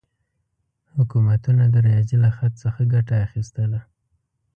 حکومتونه د ریاضي له خط څخه ګټه اخیستله.